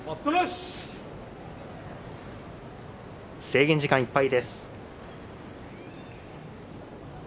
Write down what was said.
制限時間いっぱいです。